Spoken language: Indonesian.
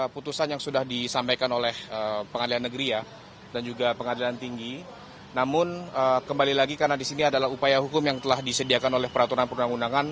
pengadilan tinggi namun kembali lagi karena disini adalah upaya hukum yang telah disediakan oleh peraturan perundangan undangan